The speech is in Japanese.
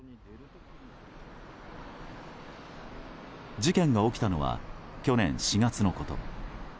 事件が起きたのは去年４月のこと。